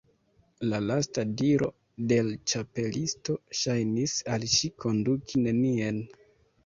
La lasta diro de l' Ĉapelisto ŝajnis al ŝi konduki nenien.